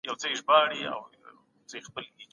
د کارمندانو خوشحالي د تولید زیاتوالي لامل دی.